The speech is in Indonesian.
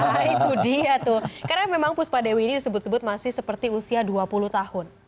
nah itu dia tuh karena memang puspa dewi ini disebut sebut masih seperti usia dua puluh tahun